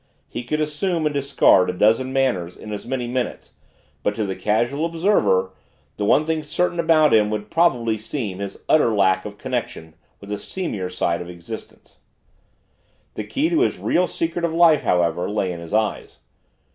He could assume and discard a dozen manners in as many minutes, but, to the casual observer, the one thing certain about him would probably seem his utter lack of connection with the seamier side of existence. The key to his real secret of life, however, lay in his eyes.